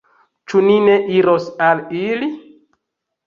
Ĉu ni ne iros al ili?